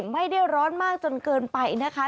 ไม่ได้ร้อนมากจนเกินไปนะคะ